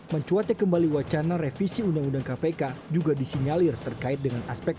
mencuatnya kembali wacana revisi undang undang kpk juga disinyalir terkait dengan aspek